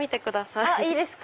いいですか？